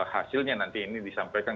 hasilnya nanti ini disampaikan